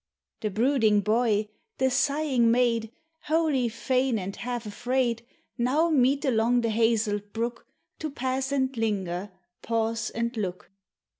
The brooding boy, the sighing maid, Wholly fain and half afraid, Now meet along the hazelled brook To pass and linger, pause and look.